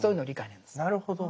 なるほど。